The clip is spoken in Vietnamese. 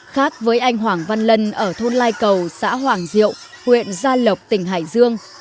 khác với anh hoàng văn lân ở thôn lai cầu xã hoàng diệu huyện gia lộc tỉnh hải dương